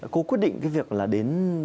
cô quyết định cái việc là đến